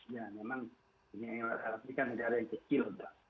ya memang negara negara ini kan negara yang kecil